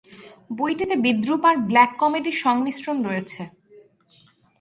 বইটিতে বিদ্রুপ আর "ব্ল্যাক কমেডি"’র সংমিশ্রণ রয়েছে।